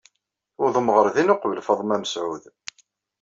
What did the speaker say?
Tuwḍem ɣer din uqbel Faḍma Mesɛud.